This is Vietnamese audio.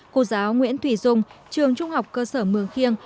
cô giáo nguyễn thủy dung trường trung học cơ sở mường khiêng